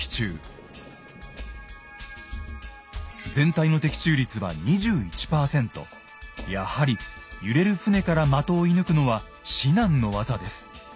全体のやはり揺れる船から的を射ぬくのは至難の業です。